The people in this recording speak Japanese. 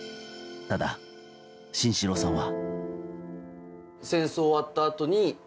ただ、慎四郎さんは。